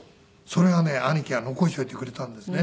それがね兄貴が残しておいてくれたんですね。